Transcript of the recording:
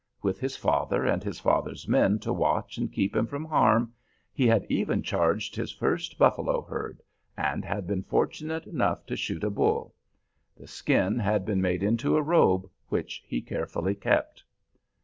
With his father and his father's men to watch and keep him from harm, he had even charged his first buffalo herd and had been fortunate enough to shoot a bull. The skin had been made into a robe, which he carefully kept.